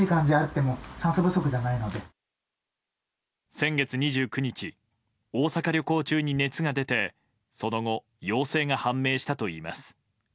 先月２９日大阪旅行中に熱が出てその後陽性が判明したといいます。